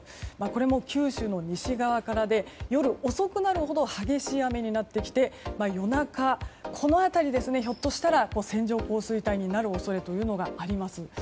これも九州の西側からで夜遅くなるほど激しい雨になってきて夜中、この辺り、ひょっとしたら線状降水帯になる恐れというのがあります。